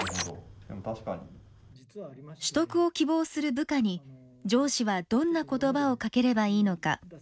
取得を希望する部下に上司はどんな言葉をかければいいのか。